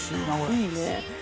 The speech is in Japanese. いいね。